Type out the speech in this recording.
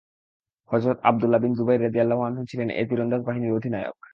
হযরত Abdullah bin Zubair রাযিয়াল্লাহু আনহু ছিলেন এ তীরন্দাজ বাহিনীর অধিনায়ক।